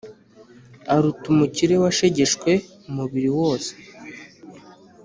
aruta umukire washegeshwe umubiri wose.